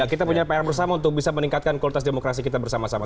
kita punya pr bersama untuk bisa meningkatkan kualitas demokrasi kita bersama sama